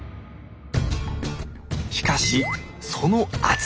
しかしその厚さ。